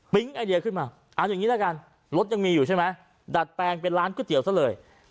ไอเดียขึ้นมาเอาอย่างนี้ละกันรถยังมีอยู่ใช่ไหมดัดแปลงเป็นร้านก๋วยเตี๋ยวซะเลย